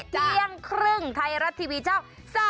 เที่ยงครึ่งท้ายรัสทีวีเจ้า